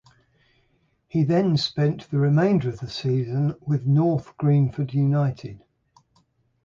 He then spent the remainder of the season with North Greenford United.